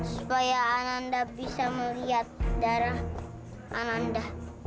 supaya ananda bisa melihat darah ananda